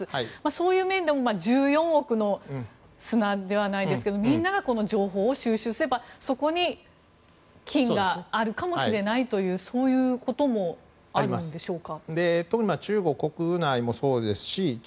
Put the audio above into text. そういう面でも１４億の砂ではないですがみんなが情報を収集すればそこに金があるかもしれないというそういうこともあるんでしょうか。